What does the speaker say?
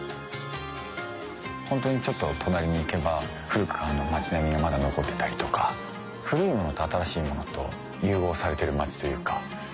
ホントにちょっと隣に行けば古くからの町並みがまだ残ってたりとか古いものと新しいものと融合されてる町というか。